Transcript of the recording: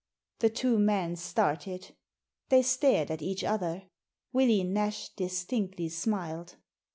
The two men started. They stared at each other. Willy Nash distinctly smiled.